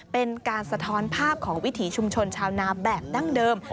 เป็นการสะท้อนภาพของวิถีชุมชนชาวนาแบบดั้งเดิม